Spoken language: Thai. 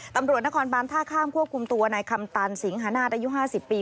ตำรวจนครบานท่าข้ามควบคุมตัวนายคำตันสิงหานาศอายุ๕๐ปี